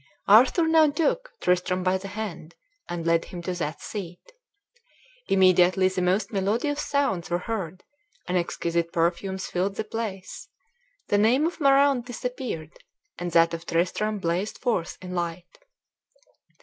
Arthur now took Tristram by the hand and led him to that seat. Immediately the most melodious sounds were heard, and exquisite perfumes filled the place; the name of Moraunt disappeared, and that of Tristram blazed forth in light.